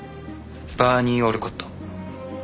バーニー・オルコット。